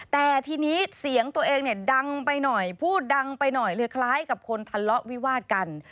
แต่ทีนี้เสียงตัวเองเนี่ยดังไปหน่อยพูดดังไปหน่อยเลยคล้ายกับคนทะเลาะวิวาดกัน